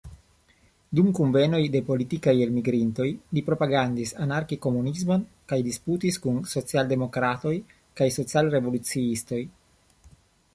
Dum kunvenoj de politikaj elmigrintoj li propagandis anarki-komunismon kaj disputis kun social-demokratoj kaj social-revoluciistoj.